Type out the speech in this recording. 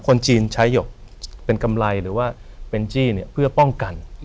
คนจีนใช้หยกเป็นกำไรหรือว่าเป็นจี้เนี่ยเพื่อป้องกัน